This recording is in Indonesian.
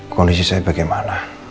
kondisi saya bagaimana